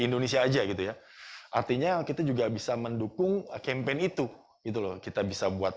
indonesia aja gitu ya artinya kita juga bisa mendukung campaign itu itu loh kita bisa buat